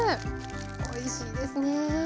おいしいですね。